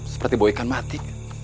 seperti buah ikan mati